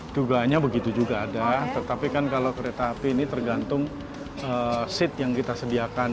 dugaannya begitu juga ada tetapi kan kalau kereta api ini tergantung seat yang kita sediakan